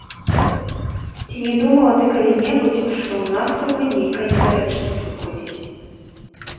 Ці не думала ты калі-небудзь, што ў нас з табой нейкая недарэчнасць выходзіць.